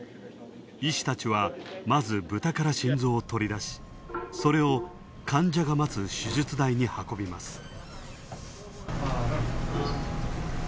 医師たちは、まずブタから心臓を取り出しそれを患者が待つ手術台に運びます。